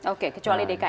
oke kecuali dki ya